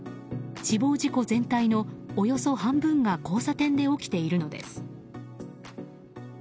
死亡事故全体のおよそ半分が交差点で起きているのです。